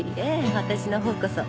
私のほうこそ。